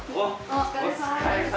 お疲れさまです！